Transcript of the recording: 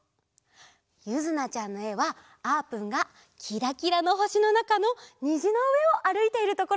ゆずなちゃんのえはあーぷんがきらきらのほしのなかのにじのうえをあるいているところなんだって！